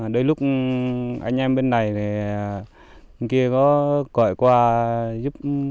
đôi lúc anh em bên này thì bên kia có gọi qua giúp